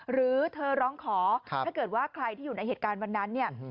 หรือเธอร้องขอถ้าเกิดว่าใครที่อยู่ในเหตุการณ์วันนั้นเนี่ย